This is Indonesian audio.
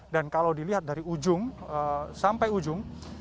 dan kalau dilihat dari ujung sampai ujung